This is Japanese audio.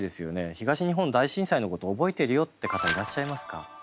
東日本大震災のこと覚えてるよって方いらっしゃいますか？